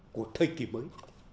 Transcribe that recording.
của thời kỳ mới